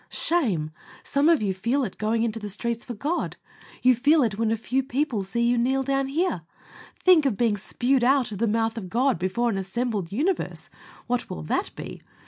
Shame! Some of you feel it going into the streets for God. You feel it when a few people see you kneel down here! Think of being spewed out of the mouth of God before an assembled universe. What will that be?